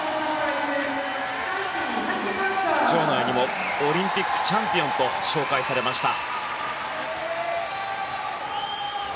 場内にもオリンピックチャンピオンと紹介されました。